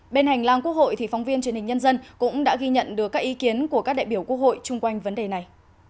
bên hành lang quốc hội thì phóng viên truyền hình nhân dân cũng đã ghi nhận được các ý kiến của các đại biểu quốc hội chung quanh vấn đề này